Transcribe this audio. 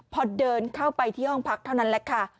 พอเดินเข้าไปที่ห้องพักเท่านั้นแหละค่ะ